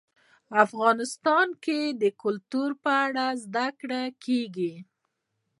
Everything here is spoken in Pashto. افغانستان کې د کلتور په اړه زده کړه کېږي.